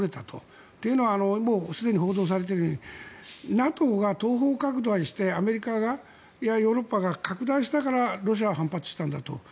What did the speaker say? というのはすでに報道されているようにＮＡＴＯが東方拡大してアメリカやヨーロッパが拡大したからロシアは反発したんだと。